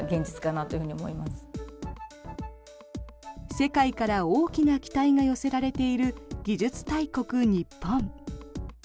世界から大きな期待が寄せれられている技術大国、日本。